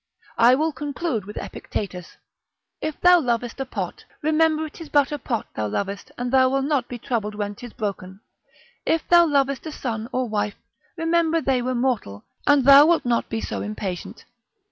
I will conclude with Epictetus, If thou lovest a pot, remember 'tis but a, pot thou lovest, and thou wilt not be troubled when 'tis broken: if thou lovest a son or wife, remember they were mortal, and thou wilt not be so impatient.